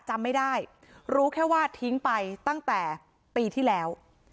จำไม่ได้รู้แค่ว่าทิ้งไปตั้งแต่ปีที่แล้ว